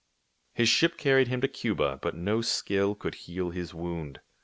His ship carried him to Cuba ; but no skill could heal his wound.